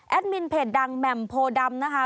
มินเพจดังแหม่มโพดำนะคะ